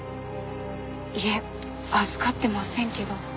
いえ預かってませんけど。